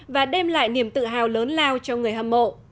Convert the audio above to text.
và đem lại niềm tự hào lớn lao cho người hâm mộ